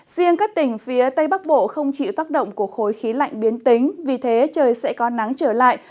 riêng các tỉnh phía tây bắc bộ không chịu tác động của khối khí lạnh biến tính vì thế trời sẽ có nắng trở lại